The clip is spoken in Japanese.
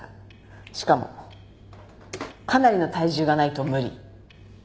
しかもかなりの体重がないと無理。